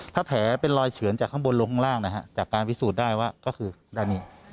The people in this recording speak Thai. ถ้าแผลเป็นรอยเฉือนจากข้างบนลงข้างล่างนะฮะจากการพิสูจน์ได้ว่าก็คือด้านนี้